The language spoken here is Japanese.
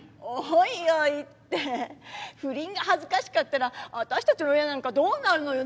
「おいおい」って不倫が恥ずかしかったらあたしたちの親なんかどうなるのよ。